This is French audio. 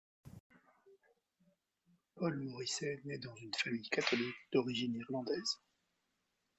Paul Morrissey naît dans une famille catholique d'origine irlandaise.